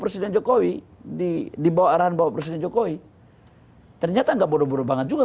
presiden jokowi di dibawa arahan bawa presiden jokowi ternyata nggak bodoh bodoh banget juga